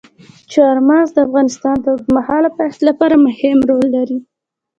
چار مغز د افغانستان د اوږدمهاله پایښت لپاره مهم رول لري.